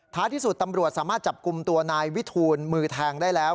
ที่สุดตำรวจสามารถจับกลุ่มตัวนายวิทูลมือแทงได้แล้ว